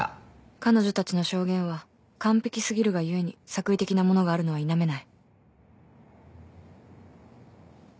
彼女たちの証言は完璧すぎるが故に作為的なものがあるのは否めない